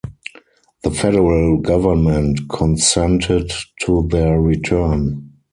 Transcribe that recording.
The federal government consented to their return.